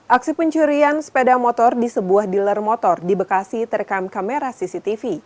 aksi pencurian sepeda motor di sebuah dealer motor di bekasi terekam kamera cctv